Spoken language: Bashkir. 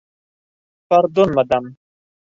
- Пардон, мадам...